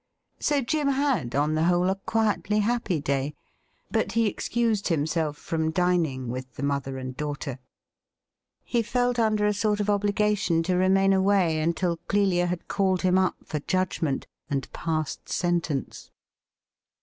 So Jim had, on the whole, a quietly happy day ; but he excused himself from dining with the mother and daughter. He felt under 84 THE RIDDLE RING a sort of obligation to remain away until Clelia had called him up for judgment and passed sentence.